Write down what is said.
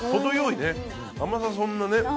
甘さそんなね。